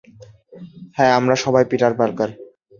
হ্যাঁ, আমরা সবাই পিটার পার্কার।